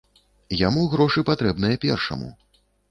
Яму грошы патрэбныя першаму.